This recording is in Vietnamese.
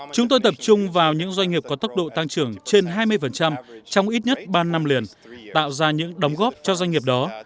chúng tôi tập trung vào những doanh nghiệp có tốc độ tăng trưởng trên hai mươi trong ít nhất ba năm liền tạo ra những đóng góp cho doanh nghiệp đó